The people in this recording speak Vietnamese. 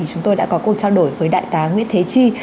chúng tôi đã có cuộc trao đổi với đại tá nguyễn thế chi